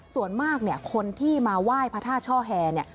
ส่วนมากเนี่ยคนที่มาไหว้พระธาตุช่อแฮเนี่ย